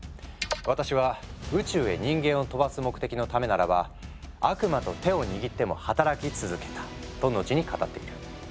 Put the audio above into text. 私は宇宙へ人間を飛ばす目的のためならば悪魔と手を握っても働き続けた」と後に語っている。